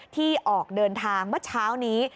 ที่ออกเดินทางเมื่อเช้านี้